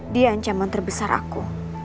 dia ancaman terbesar aku